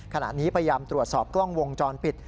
ขณะนี้พยายามตรวจสอบกล้องวงจรปิด